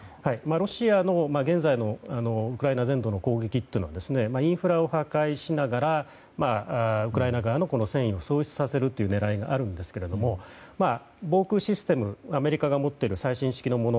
ロシアの現在のウクライナ全土への攻撃はインフラを破壊しながらウクライナ側の戦意を喪失させるという狙いがあるんですけども防空システム、アメリカが持っている最新式のもの